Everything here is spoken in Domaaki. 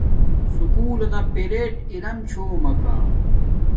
سکُول لنا پیرٹ ارم چھومکا